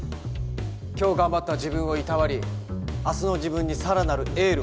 今日頑張った自分をいたわり明日の自分にさらなるエールを送る。